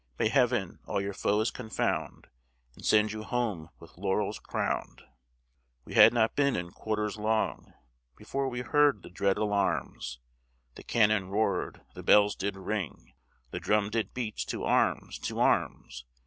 May Heaven all your foes confound, And send you home with laurels crown'd." We had not been in quarters long, Before we heard the dread alarms, The cannon roar'd, the bells did ring, The drum did beat to arms, to arms.